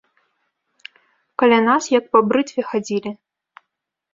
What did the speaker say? Каля нас як па брытве хадзілі.